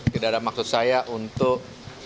tidak ada maksud saya untuk